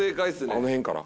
あの辺かな？